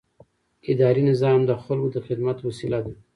اداري نظام د خلکو د خدمت وسیله ده.